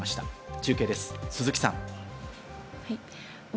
中継です、鈴木さん。